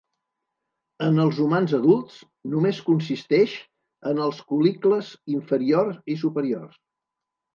En els humans adults, només consisteix en els col·licles inferiors i superiors.